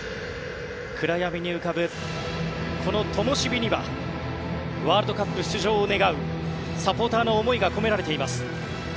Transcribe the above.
暗闇に浮かぶ、このともしびにはワールドカップ出場を願うサポーターの思いが込められています。